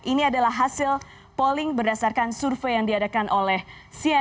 ini adalah hasil polling berdasarkan survei yang diadakan oleh cnn indonesia